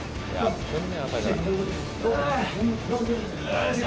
おいしょ。